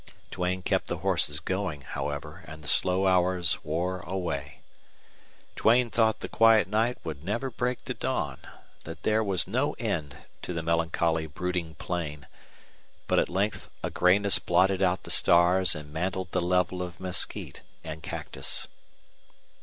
Duane kept the horses going, however, and the slow hours wore away. Duane thought the quiet night would never break to dawn, that there was no end to the melancholy, brooding plain. But at length a grayness blotted out the stars and mantled the level of mesquite and cactus.